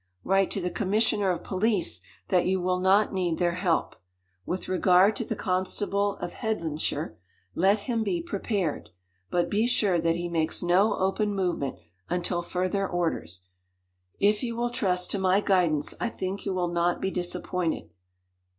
Write to the commissioner of police that you will not need their help. With regard to the constable of Headlandshire, let him be prepared; but be sure that he makes no open movement until further orders. If you will trust to my guidance, I think you will not be disappointed."